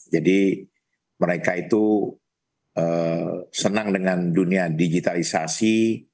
jadi mereka itu senang dengan dunia digitalisasi